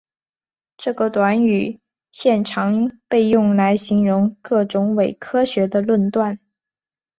这个短语现常被用来形容各种伪科学的论断。